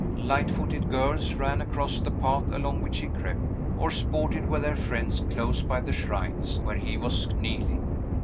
Light footed girls ran across the path along which he crept, or sported with their friends close by the shrines where he was kneeling.